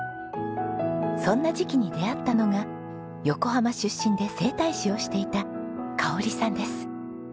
そんな時期に出会ったのが横浜出身で整体師をしていた香織さんです。